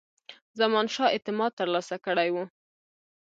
زمانشاه اعتماد ترلاسه کړی وو.